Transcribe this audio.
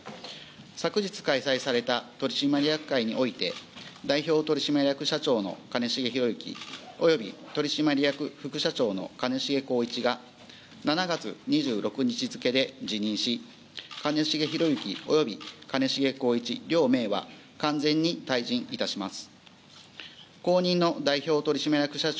昨日開催された取締役会において代表取締役社長の兼重宏行および取締役副社長の兼重宏一が７月２６日付で辞任し兼重宏行及び兼重宏一両名は完全に退陣いたします。